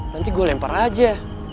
nanti gua lempar aja